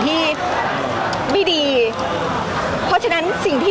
พี่ตอบได้แค่นี้จริงค่ะ